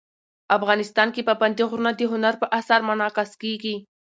افغانستان کې پابندی غرونه د هنر په اثار کې منعکس کېږي.